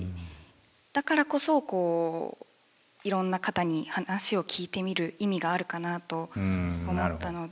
だからこそこういろんな方に話を聞いてみる意味があるかなと思ったので。